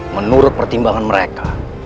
menurut pertimbangan mereka